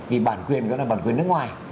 vì bản quyền đó là bản quyền nước ngoài